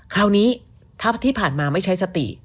คราวนี้ถ้าที่ผ่านมาไม่ใช้สติ